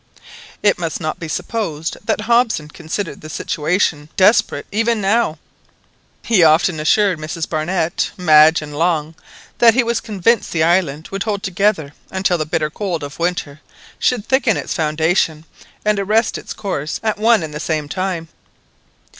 It must not be supposed that Hobson considered the situation desperate even now. He often assured Mrs Barnett, Madge, and Long that he was convinced the island would hold together until the bitter cold of winter should thicken its foundation and arrest its course at one and the same time.